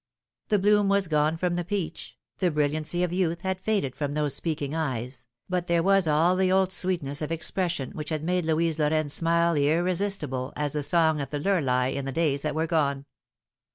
The bloom was gone from the peach, the brilliancy of youth had faded from those speaking eyes, but there was all the old sweetness of expres sion which had made Louise Lorraine's smile irresistible as the song of the lurlei in the days that were gone.